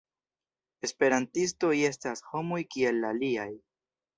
Esperantistoj estas homoj kiel la aliaj.